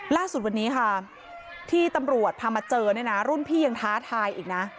ล่าสุดวันนี้ค่ะที่ตำรวจพามาเจอเนี่ยนะรุ่นพี่ยังท้าทายอีกนะ